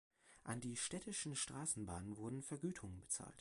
An die Städtischen Straßenbahnen wurden Vergütungen bezahlt.